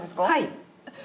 はい。